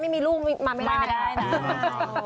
ไม่มีลูกมาไม่ได้